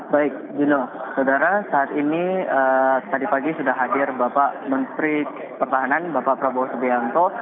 baik dino saudara saat ini tadi pagi sudah hadir bapak menteri pertahanan bapak prabowo subianto